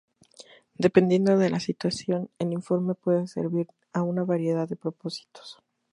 Dependiendo de la situación, el informe puede servir a una variedad de propósitos.